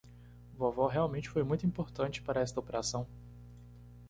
Vovó realmente foi muito importante para esta operação.